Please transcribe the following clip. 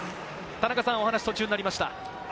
田中さん、お話途中になりました。